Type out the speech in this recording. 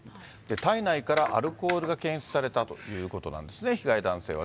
体内からアルコールが検出されたということなんですね、被害男性は。